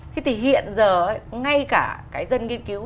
thế thì hiện giờ ngay cả cái dân nghiên cứu